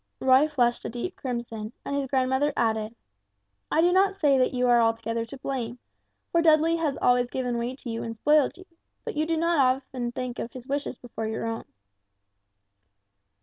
Roy flushed a deep crimson, and his grandmother added, "I do not say that you are altogether to blame, for Dudley has always given way to you and spoiled you; but you do not very often think of his wishes before your own."